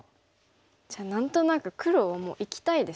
じゃあ何となく黒はもう生きたいですよね。